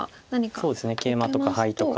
そうですねケイマとかハイとか。